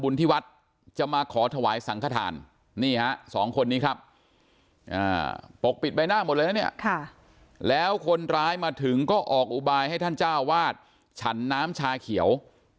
สองคนนี้ครับปกปิดใบหน้าหมดเลยนะเนี่ยแล้วคนร้ายมาถึงก็ออกอุบายให้ท่านเจ้าวาดฉันน้ำชาเขียว